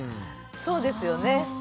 そうですよね。